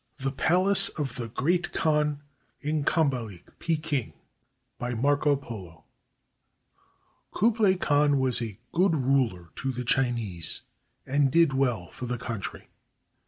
THE PALACE OF THE GREAT KHAN IN CAMBALUC (PEKING) BY MARCO POLO [KuBLAi Khan was a good ruler to the Chinese and did well for the country.